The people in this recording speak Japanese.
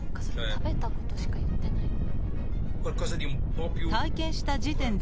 食べたことしか言ってないんだ。